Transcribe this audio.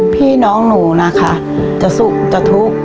พี่น้องหนูนะคะจะสุขจะทุกข์